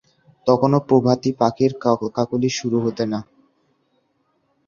তখনও প্রভাতী পাখির কল-কাকলি শুরু হতে না।